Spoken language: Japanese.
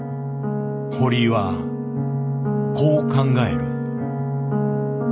堀井はこう考える。